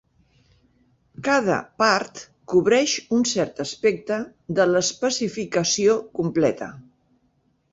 Cada "part" cobreix un cert aspecte de l'especificació completa.